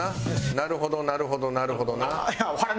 なるほどなるほどなるほどなっ。